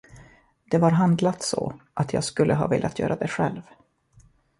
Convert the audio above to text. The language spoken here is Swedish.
Det var handlat så, att jag skulle ha velat göra det själv.